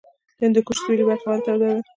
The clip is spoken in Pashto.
د هندوکش سویلي برخه ولې توده ده؟